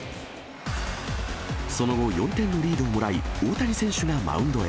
その後、４点のリードをもらい、大谷選手がマウンドへ。